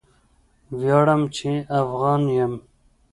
ویاړم چې افغان یم